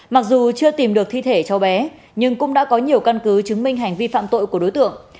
mặc dù chưa tìm được thi thể cho bé nhưng cũng đã có nhiều căn cứ chứng minh hành vi phạm tội của đối tượng